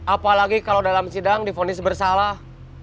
apalagi kalau dalam sidang difonis bersalah